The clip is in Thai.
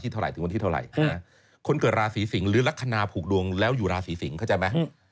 คุณเกิดราศีสิงหรือลักษณาผูกดวงแล้วอยู่ราศีสิงเข้าใจไหม